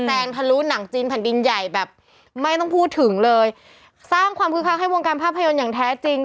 งทะลุหนังจีนแผ่นดินใหญ่แบบไม่ต้องพูดถึงเลยสร้างความคึกคักให้วงการภาพยนตร์อย่างแท้จริง